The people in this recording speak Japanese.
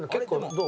どう？